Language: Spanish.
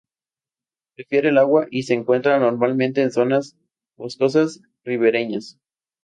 Prefiere el agua, y se encuentra normalmente en zonas boscosas ribereñas.